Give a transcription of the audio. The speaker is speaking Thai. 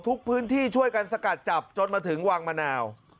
ทุกพื้นที่ช่วยกันสกัดจับจนมาถึงวังมะนาว